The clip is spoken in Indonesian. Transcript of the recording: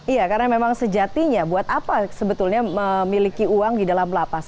iya karena memang sejatinya buat apa sebetulnya memiliki uang di dalam lapas